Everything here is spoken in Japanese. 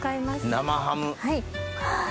生ハム。